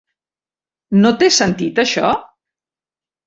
No té sentit això?